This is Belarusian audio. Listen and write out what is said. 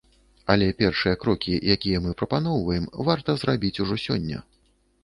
Але першыя крокі, якія мы прапаноўваем, варта зрабіць ужо сёння.